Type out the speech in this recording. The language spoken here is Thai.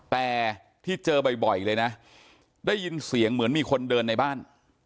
แต่ที่เจอบ่อยเลยนะได้ยินเสียงเหมือนมีคนเดินในบ้าน